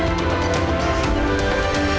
cnn indonesia terima kasih